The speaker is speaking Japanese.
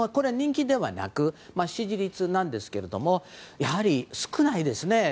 人気ではなく、支持率なんですがやはり少ないですね。